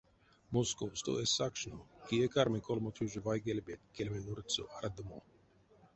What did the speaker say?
Московсто эзть сакшно: кие карми колмо тёжа вайгельбеть кельме нурдсо ардомо?